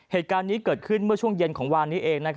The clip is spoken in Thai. เหตุการณ์นี้เกิดขึ้นเมื่อช่วงเย็นของวานนี้เอง